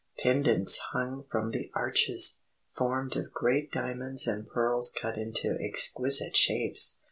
Pendants hung from the arches, formed of great diamonds and pearls cut into exquisite shapes.